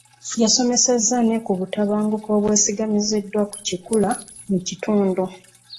Yasomesezza ne ku butabanguko obwesigamiziddwa ku kikula mu kitundu.